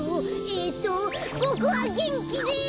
えっとボクはげんきです！